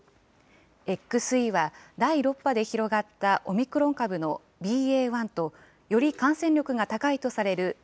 ＸＥは、第６波で広がったオミクロン株のＢＡ．１とより感染力が高いとされるＢＡ